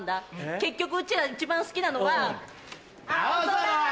結局うちら一番好きなのは。